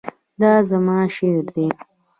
دا زما شعر دی